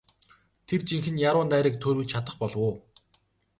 Тэр жинхэнэ яруу найраг туурвиж чадах болов уу?